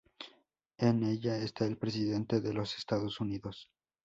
En ella está el presidente de los Estados Unidos.